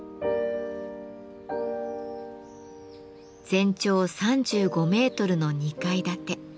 全長３５メートルの２階建て。